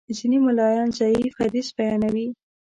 ځینې ملایان ضعیف حدیث بیانوي.